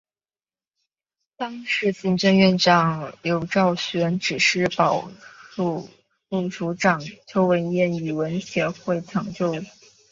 当时行政院长刘兆玄指示环保署副署长邱文彦与文建会协助抢救。